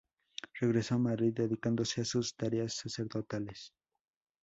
Regresa a Madrid dedicándose a sus tareas sacerdotales.